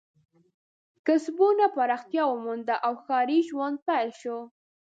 کسبونه پراختیا ومونده او ښاري ژوند پیل شو.